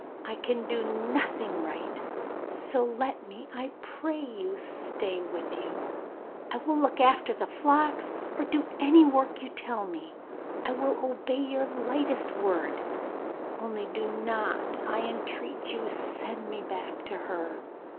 I can do nothing right, so let me, I pray you, stay with you. I will look after the flocks or do any work you tell me; I will obey your lightest word; only do not, I entreat you, send me back to her.